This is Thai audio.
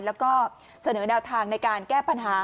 แล้วก็เสนอแนวทางในการแก้ปัญหา